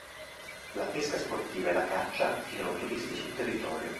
La pesca sportiva e la caccia attirano turisti sul territorio.